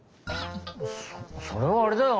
そそれはあれだよ。